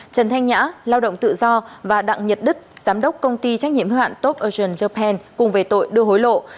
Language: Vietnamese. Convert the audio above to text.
trần thanh nhã lao động tự do và đặng nhật đức giám đốc công ty trách nhiệm hưu hạn top ocean japan cùng về tội đưa hối lộ